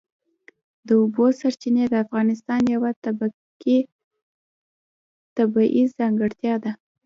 د اوبو سرچینې د افغانستان یوه طبیعي ځانګړتیا ده.